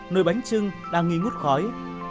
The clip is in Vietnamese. nồi bánh trưng đang nghi ngút khói